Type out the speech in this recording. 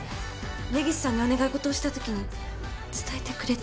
根岸さんにお願い事をしたときに伝えてくれって。